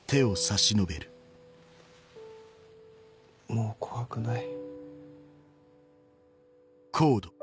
もう怖くない。